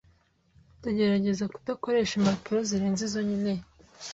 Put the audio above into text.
Ndagerageza kudakoresha impapuro zirenze izo nkeneye.